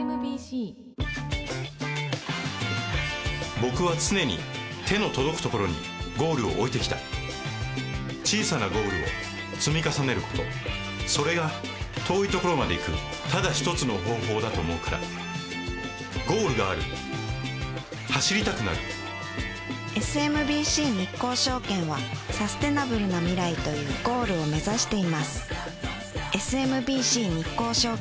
僕は常に手の届くところにゴールを置いてきた小さなゴールを積み重ねることそれが遠いところまで行くただ一つの方法だと思うからゴールがある走りたくなるＳＭＢＣ日興証券はサステナブルな未来というゴールを目指していますＳＭＢＣ日興証券